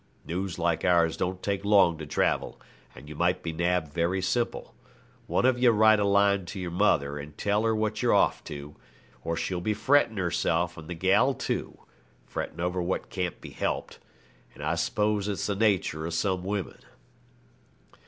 News like ours don't take long to travel, and you might be nabbed very simple. One of ye write a line to your mother and tell her where you're off to, or she'll be frettin' herself and the gal too frettin' over what can't be helped. But I suppose it's the natur' o' some women.'